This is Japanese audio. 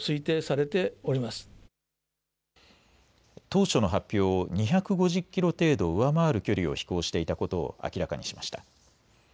当初の発表を２５０キロ程度上回る距離を飛行していたことを明らかにしました。